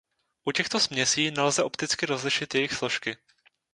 U těchto směsí nelze opticky rozlišit jejich složky.